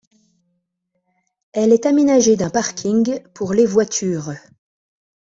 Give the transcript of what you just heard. Elle est aménagée d'un parking pour voitures.